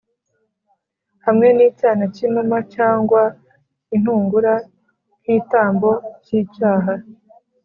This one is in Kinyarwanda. , hamwe n’icyana cy’inuma cyangwa intungura nk’itambo cy’icyaha